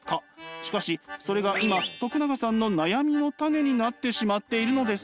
しかしそれが今永さんの悩みの種になってしまっているのです。